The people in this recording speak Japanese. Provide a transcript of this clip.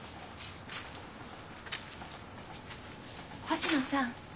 星野さん。